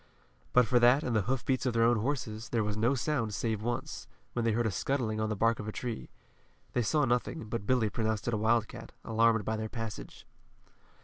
But for that and the hoofbeats of their own horses, there was no sound save once, when they heard a scuttling on the bark of a tree. They saw nothing, but Billy pronounced it a wildcat, alarmed by their passage.